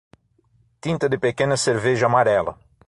Tinta de pequena cerveja amarela.